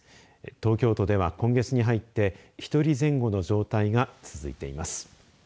東京都では、今月に入って１人前後の状態が続いています。